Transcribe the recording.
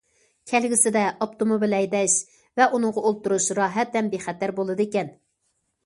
كەلگۈسىدە ئاپتوموبىل ھەيدەش ۋە ئۇنىڭغا ئولتۇرۇش راھەت ھەم بىخەتەر بولىدىكەن.